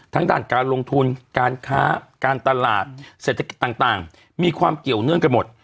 ด้านการลงทุนการค้าการตลาดเศรษฐกิจต่างมีความเกี่ยวเนื่องกันหมด